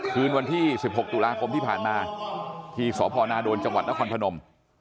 คืนวันที่๑๖ตุลาคมที่ผ่านมาที่สพนาโดนจังหวัดนครพนม